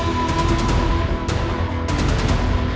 saya sudah memberikan perbuatan